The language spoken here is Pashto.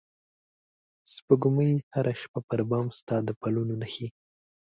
سپوږمۍ هره شپه پر بام ستا د پلونو نښې